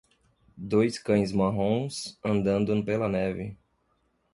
Dois cães marrons andando pela neve.